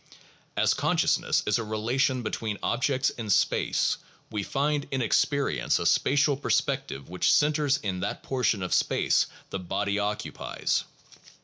As consciousness is a relation between objects in space, we find in experience a spatial perspective which centers in that portion of space the body occupies.